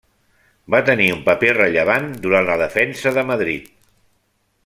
Va tenir un paper rellevant durant la defensa de Madrid.